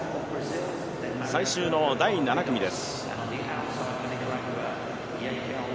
最終の第７組です。